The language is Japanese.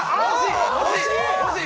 惜しい！